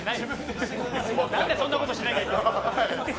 なんでそんなことしなきゃいけないんだよ。